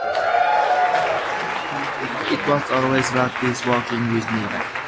It was always like this, working with Mike.